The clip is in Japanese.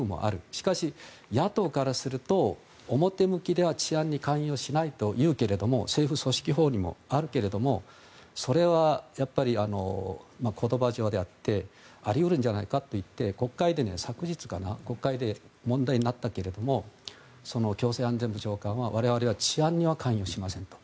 しかし、野党からすると表向きでは治安に関与しないというけれども政府組織法にもそうあるけれどもそれは、言葉上であってあり得るんじゃないかといって国会で昨日、問題になったけれども行政安全部長官は我々は治安には関与しませんと。